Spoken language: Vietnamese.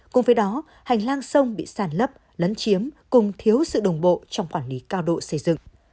cùng với đó hành lang sông bị sàn lấp lấn chiếm cùng thiếu sự đồng bộ trong quản lý cao độ xây dựng